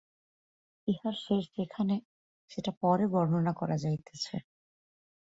ইহার শেষ যেখানে সেটা পরে বর্ণনা করা যাইতেছে।